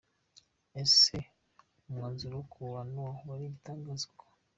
Ese umwuzure wo kwa Nowa wari igitangaza koko?.